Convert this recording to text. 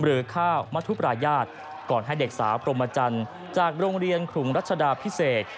หรือข้าวมัธุปรายาทก่อนให้เด็กสาวพรหมจันทร์จากโรงเรียนขรุงรัชดาพิเศษ